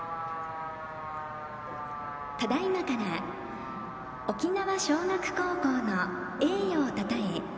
ただいまから沖縄尚学高校の栄誉をたたえ